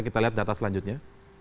kita lihat data selanjutnya